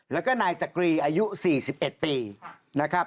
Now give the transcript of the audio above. แล้วก็นายจักรีอายุ๔๑ปีนะครับ